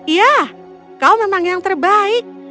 ya kau memang yang terbaik